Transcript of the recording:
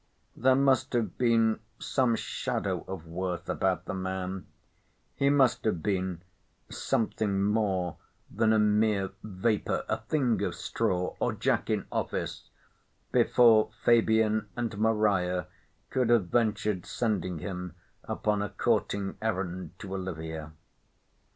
There must have been some shadow of worth about the man; he must have been something more than a mere vapour—a thing of straw, or Jack in office—before Fabian and Maria could have ventured sending him upon a courting errand to Olivia.